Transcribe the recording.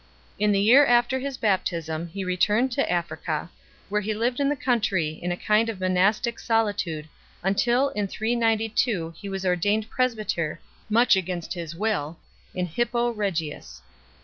In the year after his baptism he returned to Africa, where he lived in the country in a kind of monastic soli tude, until in 392 he was ordained presbyter, much against his will, in Hippo Regius.